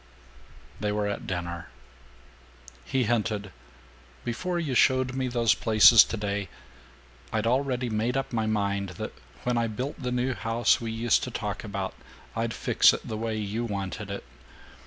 VI They were at dinner. He hinted, "Before you showed me those places today, I'd already made up my mind that when I built the new house we used to talk about, I'd fix it the way you wanted it.